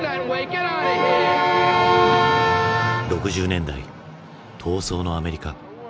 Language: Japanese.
６０年代闘争のアメリカ。